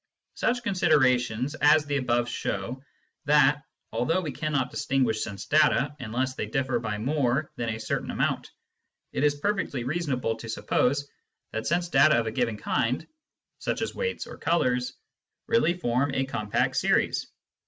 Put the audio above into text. Such considerations as the above show that, although we cannot distinguish sense data unless they differ by more than a certain amount, it is perfectly reasonable to suppose that sense data of a given kind, such as weights or colours, really form a compact series.